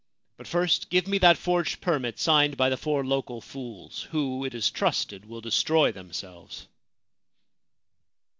But first give me that forged permit signed by the four local fools, who, it is trusted, will destroy themselves.'